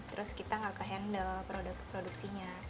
terus kita gak ke handle produksinya